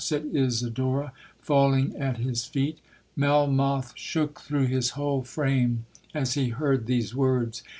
said Isidora, falling at his feet. Melmoth shook through his whole frame as he heard these words.